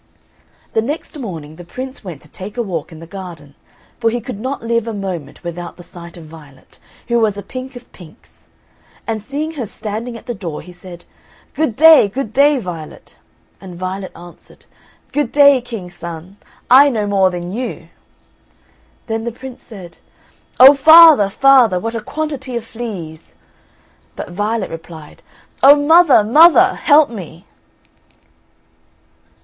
The next morning the Prince went to take a walk in the garden, for he could not live a moment without the sight of Violet, who was a pink of pinks. And seeing her standing at the door, he said, "Good day, good day, Violet!" And Violet answered, "Good day, King's son! I know more than you!" Then the Prince said, "Oh, father, father, what a quantity of fleas!" But Violet replied, "Oh, mother, mother, help me!"